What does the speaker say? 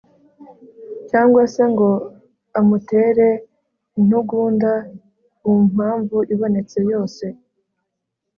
cyangwa se ngo amutere intugunda ku mpamvu ibonetse yose